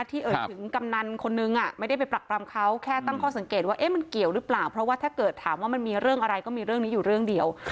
ป๋อมาตึงกะแค่เข้าหุ้มหุ้มแปลกดูว่ากลุ่นสิ้นไม่ได้แล้ว